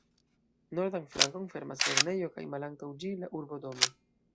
Nordan flankon fermas lernejo kaj malantaŭ ĝi la urbodomo.